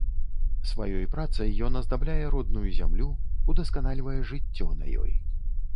Сваёй працай ён аздабляе родную зямлю, удасканальвае жыццё на ёй.